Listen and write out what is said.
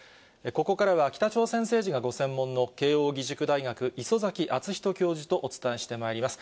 ここからは、北朝鮮政治がご専門の慶応義塾大学、礒崎敦仁教授とお伝えしてまいります。